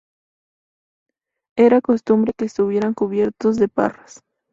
Era costumbre que estuvieran cubiertos de parras.